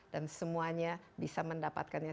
dan semuanya bisa mendapatkannya